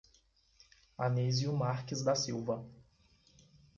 Anizio Marques da Silva